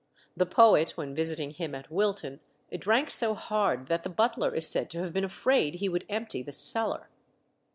The poet, when visiting him at Wilton, drank so hard that the butler is said to have been afraid he would empty the cellar.